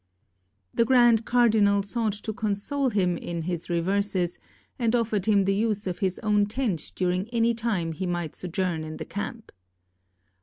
The grand cardi 461 SPAIN nal sought to console him in his reverses, and offered him the use of his own tent during any time he might sojourn in the camp.